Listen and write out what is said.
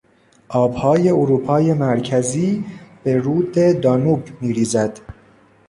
آبهای اروپای مرکزی به رود دانوب میریزد.